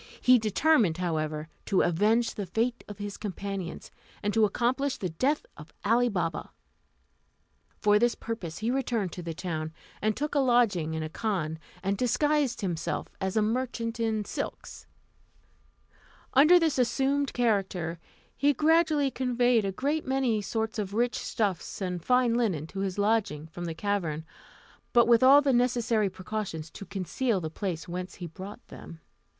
He determined, however, to avenge the fate of his companions, and to accomplish the death of Ali Baba. For this purpose he returned to the town, and took a lodging in a khan, and disguised himself as a merchant in silks. Under this assumed character, he gradually conveyed a great many sorts of rich stuffs and fine linen to his lodging from the cavern, but with all the necessary precautions to conceal the place whence he brought them.